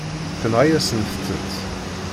Tenɣa-yasent-tent.